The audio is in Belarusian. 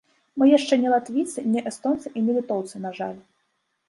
Мы яшчэ не латвійцы, не эстонцы і не літоўцы, на жаль.